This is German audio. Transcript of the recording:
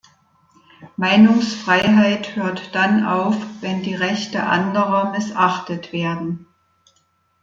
Meinungsfreiheit hört dann auf, wenn die Rechte anderer missachtet werden.